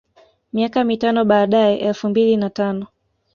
Miaka mitano baadae elfu mbili na tano